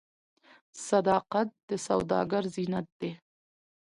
صداقت د سوداګر زینت دی.